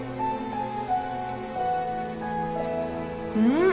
うん！